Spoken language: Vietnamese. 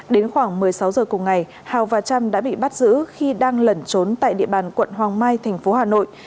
đến khoảng một mươi sáu giờ cùng ngày hào và trâm đã bị bắt giữ khi đang lẩn trốn tại địa bàn quận hoàng mai thành phố hà nội